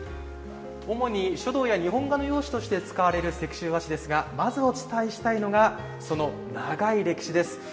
主に書道や日本画の用紙として使われる石州和紙ですがまずお伝えしたいのがその長い歴史です。